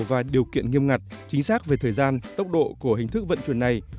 và điều kiện nghiêm ngặt chính xác về thời gian tốc độ của hình thức vận chuyển này